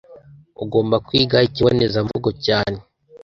Ugomba kwiga ikibonezamvugo cyane.